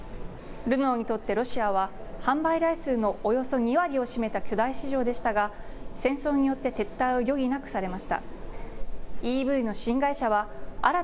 ルノーにとってロシアは、販売台数のおよそ２割を占めた巨大市場でしたが、戦争によって撤退を余儀なくされました。